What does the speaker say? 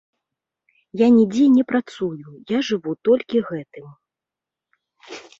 Я нідзе не працую, я жыву толькі гэтым.